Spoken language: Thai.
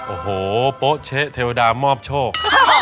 โอ้โหโป๊เช๊เทวดามอบโชค